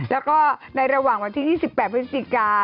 แล้วก็ในระหว่างวันที่๒๘พฤศจิกา